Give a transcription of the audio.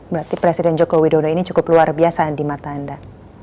berarti presiden joko widodo ini cukup luar biasa di mata anda